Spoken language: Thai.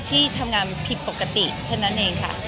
ที่ทำงานผิดปกติทั้งงานเองค่ะ